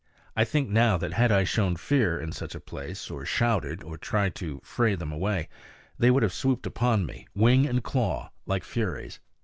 I think now that had I shown fear in such a place, or shouted, or tried to fray them away, they would have swooped upon me, wing and claw, like furies.